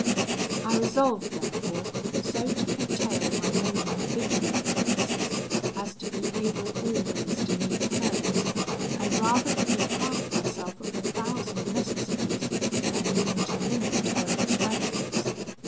"I resolved therefore so to curtail my own individual expenses, as to be able always to meet hers, and rather to deprive myself of a thousand necessaries than even to limit her extravagance.